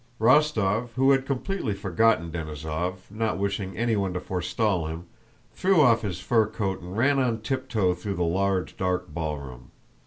Rostóv, who had completely forgotten Denísov, not wishing anyone to forestall him, threw off his fur coat and ran on tiptoe through the large dark ballroom.